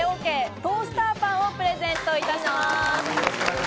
トースターパンをプレゼントいたします。